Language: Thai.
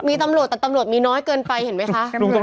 มีตำรวจแต่ตำรวจมีน้อยเกินไปเห็นไหมคะ